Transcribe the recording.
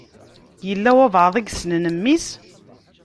Yella walebɛaḍ i yessnen mmi-s?